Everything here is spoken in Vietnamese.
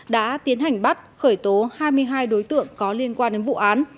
đã tiến hành bắt khởi tố hai mươi hai đối tượng có liên quan đến vụ án